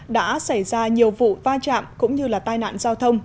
đã xảy ra nhiều vụ va chạm cũng như là tai nạn giao thông